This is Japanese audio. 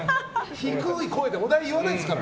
低い声で、お題言わないですから。